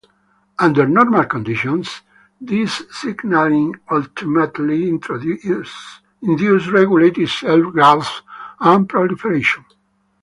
Under normal conditions, this signaling ultimately induces regulated cell growth and proliferation.